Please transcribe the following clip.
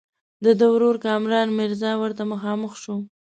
د ده ورور کامران میرزا ورته مخامخ شو.